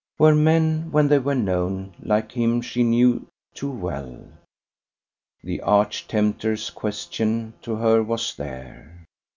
Were men, when they were known, like him she knew too well? The arch tempter's question to her was there.